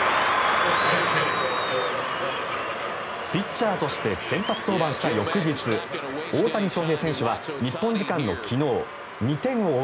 ピッチャーとして先発出場した翌日大谷翔平選手は日本時間の昨日２点を追う